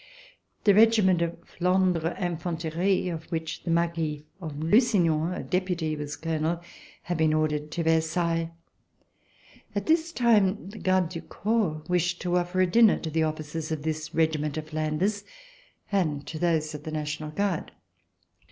The regiment of Flandre Infanterie, of which the Marquis de Lusignan, a Deputy, was Colonel, had been ordered to Versailles. At this time the Gardes du Corps wished to offer a dinner to the officers of this regiment of Flanders and to those of the National Guard.